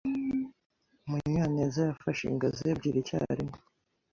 Munyanez yafashe ingazi ebyiri icyarimwe.